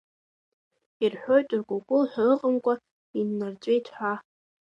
Ирҳәоит ркәыкәыл ҳәа ыҟамкәа иннарҵәеит ҳәа!